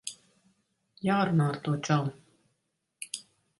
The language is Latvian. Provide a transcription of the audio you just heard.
Jārunā ar to čali.